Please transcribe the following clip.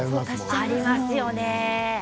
ありますね。